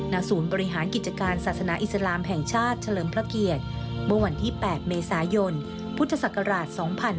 ณศูนย์บริหารกิจการศาสนาอิสลามแห่งชาติเฉลิมพระเกียรติเมื่อวันที่๘เมษายนพุทธศักราช๒๕๕๙